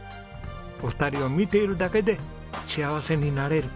お二人を見ているだけで幸せになれる。